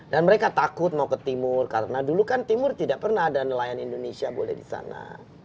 dan mereka takut mau ke timur karena dulu kan timur tidak pernah ada nelayan indonesia boleh di sana